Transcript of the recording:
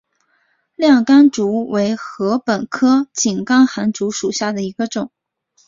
亮竿竹为禾本科井冈寒竹属下的一个种。